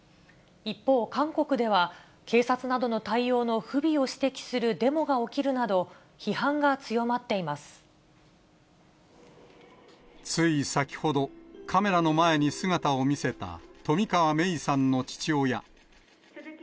一方、韓国では、警察などの対応の不備を指摘するデモが起きるなど、批判が強まっつい先ほど、カメラの前に姿を見せた、冨川芽生さんの父親。